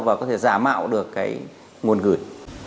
và có thể giả mạo được cái nguồn gửi